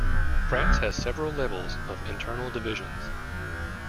France has several levels of internal divisions.